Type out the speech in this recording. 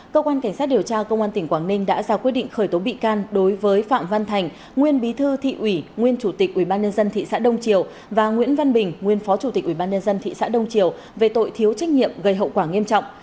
cơ quan cảnh sát điều tra công an tỉnh quảng ninh đã ra quyết định khởi tố bị can đối với phạm văn thành nguyên bí thư thị ủy nguyên chủ tịch ubnd thị xã đông triều và nguyễn văn bình nguyên phó chủ tịch ubnd thị xã đông triều về tội thiếu trách nhiệm gây hậu quả nghiêm trọng